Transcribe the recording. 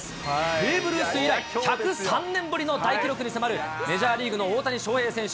ベーブ・ルース以来、１０３年ぶりの大記録に迫る、メジャーリーグの大谷翔平選手。